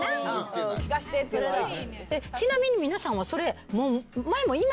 ちなみに皆さんは。